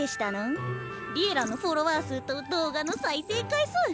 「Ｌｉｅｌｌａ！」のフォロワー数と動画の再生回数。